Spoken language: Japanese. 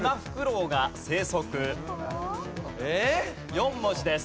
４文字です。